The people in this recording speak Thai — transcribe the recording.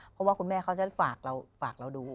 เพราะว่าคุณแม่เขาจะฝากเราดู